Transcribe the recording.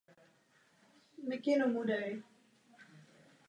Leží na úpatí stejnojmenného kopce.